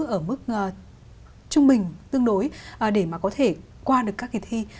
ở mức trung bình tương đối để mà có thể qua được các kỳ thi